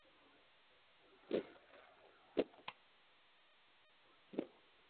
尤里耶夫节或秋季圣乔治节俄罗斯正教会和塞尔维亚正教会庆祝的圣乔治节。